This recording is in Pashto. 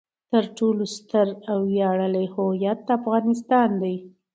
تر ټولو ستر او ویاړلی هویت افغانستان دی.